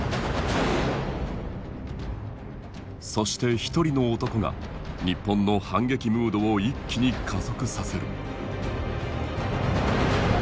そして一人の男が日本の反撃ムードを一気に加速させる。